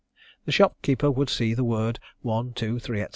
The shopkeeper would see the word one, two, three, &c.